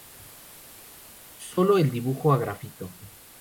Sólo el dibujo a grafito.